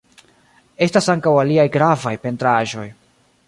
Estas ankaŭ aliaj gravaj pentraĵoj.